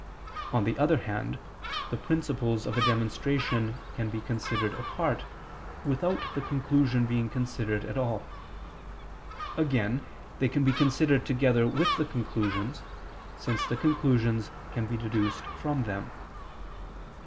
On the other hand, the principles of a demonstration can be considered apart, without the conclusion being considered at all. Again they can be considered together with the conclusions, since the conclusions can be deduced from them.